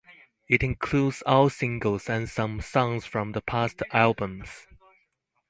It includes all singles and some songs from the past albums.